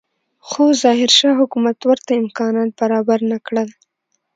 خو ظاهرشاه حکومت ورته امکانات برابر نه کړل.